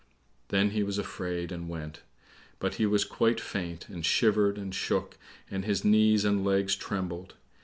Then he was afraid and went; but he was quite faint, and shivered and shook, and his knees and legs trembled.